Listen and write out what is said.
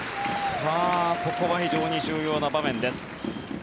さあ、ここは非常に重要な場面です。